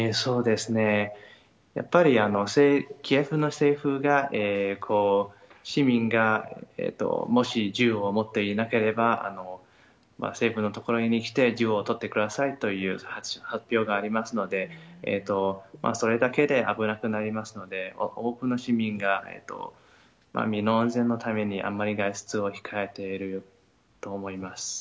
やっぱりキエフの政府が、市民がもし銃を持っていなければ、政府の所に来て銃を取ってくださいという発表がありますので、それだけで危なくなりますので、多くの市民が身の安全のために、あんまり外出を控えていると思います。